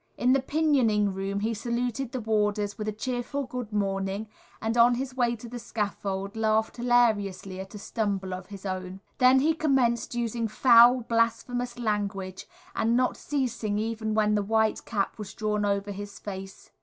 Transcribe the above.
In the pinioning room he saluted the warders with a cheerful "good morning," and on his way to the scaffold laughed hilariously at a stumble of his own. Then he commenced using foul, blasphemous language, and not ceasing even when the white cap was drawn over his face.